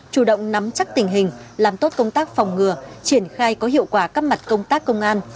chủ động nắm chắc tình hình làm tốt công tác phòng ngừa triển khai có hiệu quả các mặt công tác công an